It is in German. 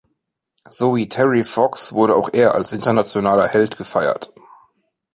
So wie Terry Fox wurde auch er als internationaler Held gefeiert.